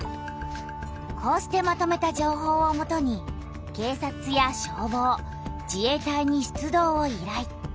こうしてまとめた情報をもとに警察や消防自衛隊に出動を依頼。